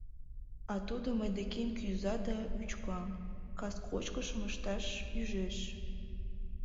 А тудо мый декем кӱза да вӱчка, кас кочкышым ышташ ӱжеш...